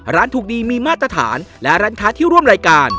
ร้านถูกดีมีมาตรฐานและร้านค้าที่ร่วมรายการ